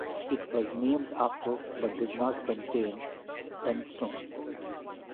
It was named after but did not contain Penistone.